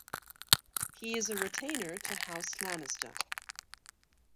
He is a retainer to House Lannister.